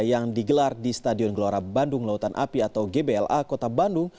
yang digelar di stadion gelora bandung lautan api atau gbla kota bandung